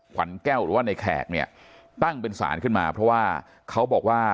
ขวัญแก้วหรือว่าในแขกเนี่ยตั้งเป็นศาลขึ้นมาเพราะว่าเขาบอกว่า